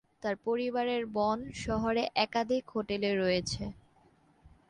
তার পরিবারের বন শহরে একাধিক হোটেল রয়েছে।